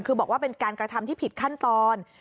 คือบอกว่าเป็นการกระทำที่ผิดขั้นตอน